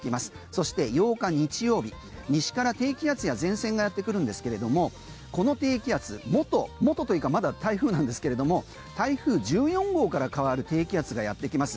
そして８日、日曜日西から低気圧や前線がやってくるんですけれどもこの低気圧、元というかまだ台風なんですけれども台風１４号から変わる低気圧がやってきます。